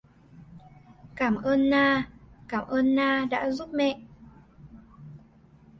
Cảm ơn Na Cảm ơn Na đã giúp mẹ